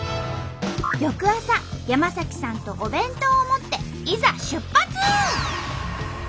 翌朝山さんとお弁当を持っていざ出発！